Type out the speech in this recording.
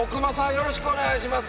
よろしくお願いします。